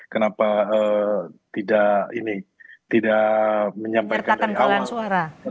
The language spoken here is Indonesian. kenapa tidak ini tidak menyampaikan dari awal